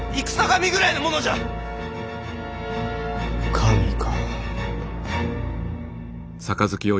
神か。